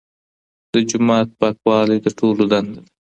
د جومات پاکوالی د ټولو دنده ده.